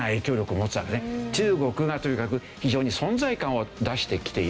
中国がとにかく非常に存在感を出してきている。